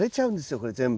これ全部。